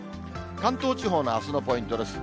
関東地方のあすのポイントです。